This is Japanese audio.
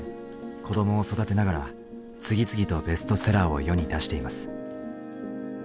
子どもを育てながら次々とベストセラーを世に出しています。